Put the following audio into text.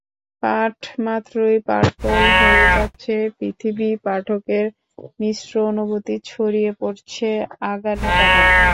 পাঠমাত্রই purple হয়ে যাচ্ছে পৃথিবী, পাঠকের মিশ্র অনুভূতি ছড়িয়ে পড়ছে আগানে-বাগানে।